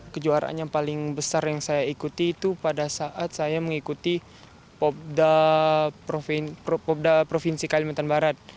kejuaraan yang paling besar yang saya ikuti itu pada saat saya mengikuti popda provinsi kalimantan barat